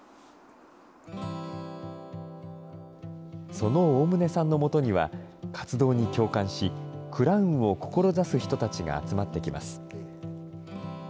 その大棟さんのもとには、活動に共感し、クラウンを志す人たちが集まってきます。